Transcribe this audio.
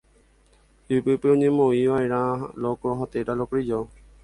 ipype oñemoĩva'erãha locro térã locrillo